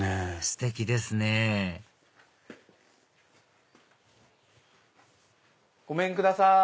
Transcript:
ステキですねごめんください！